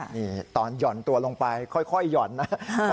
นี่ตอนหย่อนตัวลงไปค่อยหย่อนนะ